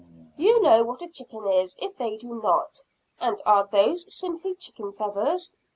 You know what a chicken is, if they do not. Are not those simply chicken feathers?"